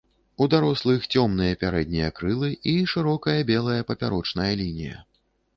У дарослых цёмныя пярэднія крылы і шырокая белая папярочная лінія.